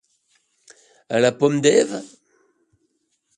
À la Pomme d’Ève?